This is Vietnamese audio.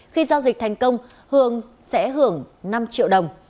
khi giao dịch thành công hường sẽ hưởng năm triệu đồng